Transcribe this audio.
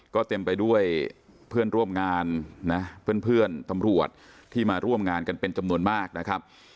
ก็เต็มไปด้วยเพื่อนร่วมงานนะเพื่อนตำรวจที่มาร่วมงานกันเป็นจำนวนมากนะครับ